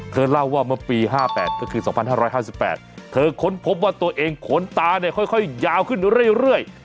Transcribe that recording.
เธอเล่าว่าเมื่อปี๕๘ก็คือ๒๕๕๘เธอค้นพบว่าตัวเองขนตาเนี่ยค่อยยาวขึ้นเรื่อย